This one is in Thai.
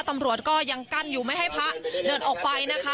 ตำรวจก็ยังกั้นอยู่ไม่ให้พระเดินออกไปนะคะ